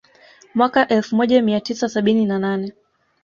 Mwaka elfu moja mia tisa sabini na nane